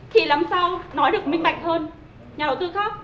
thì làm sao nói được minh bạch hơn nhà đầu tư khác